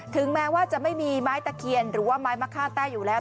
ถึงแม้ว่าจะไม่มีไม้ตะเคียนหรือว่าไม้มะค่าแต้อยู่แล้ว